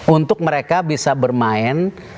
untuk mereka bisa bermain